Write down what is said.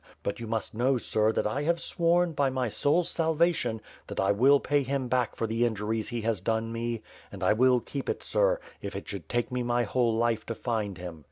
But you must know, sir, that I have sworn, by my soul's salvation, that I will pay him back for the injuries he has done me, and I will keep it, sir, if it should take me my whole life to find him.